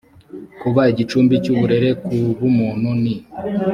kuba igicumbi cy uburere ku b umuntu n